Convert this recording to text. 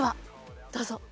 どうぞ。